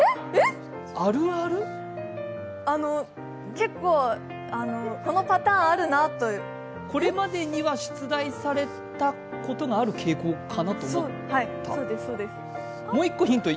結構、このパターンあるなとこれまでには出題されたことがある傾向かなと思った。